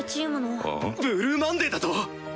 ブルーマンデーだと？